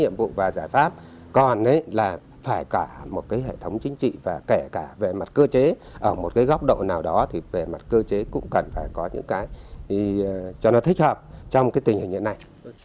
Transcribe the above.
một góc độ nào đó về mặt cơ chế cũng cần phải có những cái cho nó thích hợp trong tình hình như thế này